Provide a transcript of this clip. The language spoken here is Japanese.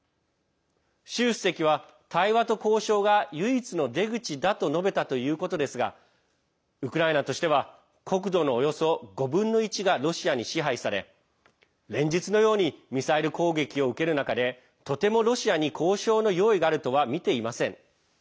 習主席は対話と交渉が唯一の出口だと述べたということですがウクライナとしては国土のおよそ５分の１がロシアに支配され連日のようにミサイル攻撃を受ける中でとてもロシアに交渉の用意があるとは見ていません。